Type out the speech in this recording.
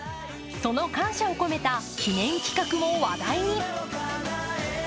その感謝を込めた記念企画も話題に。